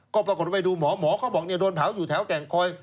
ก็ปรากฏว่าไปดูหมอหมอเขาบอกโดนเผาอยู่แถวแก่งคอย